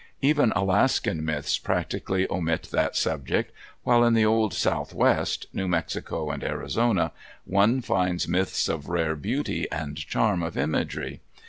Even Alaskan myths practically omit that subject, while in the Old South west—New Mexico and Arizona—one finds myths of rare beauty and charm of imagery.